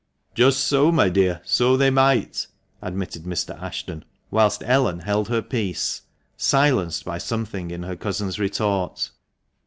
"Just so my dear, so they might," admitted Mr. Ashton, whilst Ellen held her peace, silenced by something in her cousin's retort.